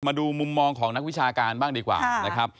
มาดูมุมมองของนักวิชาการบ้างดีกว่านะครับ